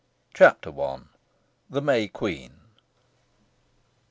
CHAPTER I. THE MAY QUEEN.